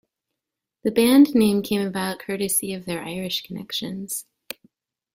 The band name came about courtesy of their Irish connections.